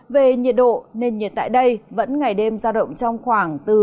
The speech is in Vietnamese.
về nhiệt độ nền nhiệt tại đây vẫn ngày đêm sao động trong khoảng từ hai mươi ba đến ba mươi hai độ